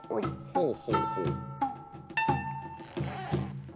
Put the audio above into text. ほうほうほう。